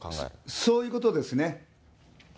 そういうことですね。